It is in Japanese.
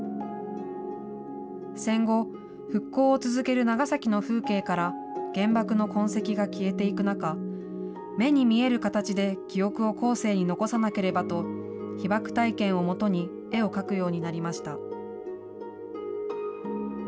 戦後、復興を続ける長崎の風景から、原爆の痕跡が消えていく中、目に見える形で記憶を後世に残さなければと、被爆体験をもとに、絵を描くようになりました。